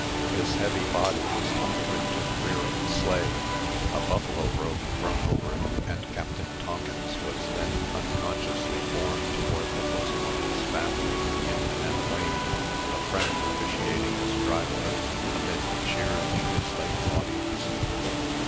His heavy body was tumbled into the rear of the sleigh, a buffalo robe thrown over it, and Captain Tonkins was then unconsciously borne toward the bosom of his family, in Minetta lane (a friend officiating as driver), amid the cheers of his late audience.